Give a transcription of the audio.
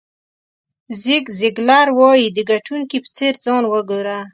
زیګ زیګلر وایي د ګټونکي په څېر ځان وګوره.